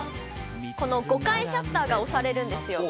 ５回シャッターが押されるんですよ。